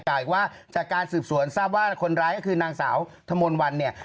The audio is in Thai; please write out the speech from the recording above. อีกว่าจากการสืบสวนทราบว่าคนร้ายก็คือนางสาวธมนต์วันเนี่ย